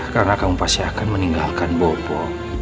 karena kamu pasti akan meninggalkan boko